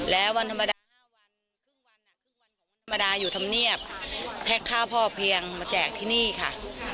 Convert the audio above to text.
แล้ววันธรรมดาอยู่ธรรมเนียบแพดข้าวพ่อเพียงมีแจกที่นี่ค่ะ